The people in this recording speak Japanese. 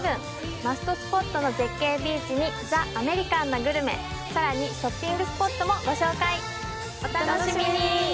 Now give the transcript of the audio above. マストスポットの絶景ビーチにザ・アメリカンなグルメさらにショッピングスポットもご紹介お楽しみに！